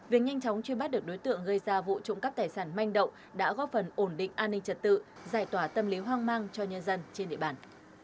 việc nhanh chóng truy bắt được đối tượng gây ra vụ trộm cắp tài sản manh động đã góp phần ổn định an ninh trật tự giải tỏa tâm lý hoang mang cho nhân dân trên địa bàn